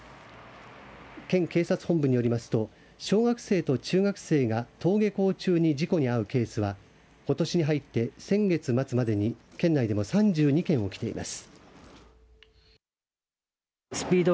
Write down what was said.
県警察本部によりますと小学生と中学生が登下校中に事故に遭うケースはことしに入って先月末までに県内でも３２件起きています。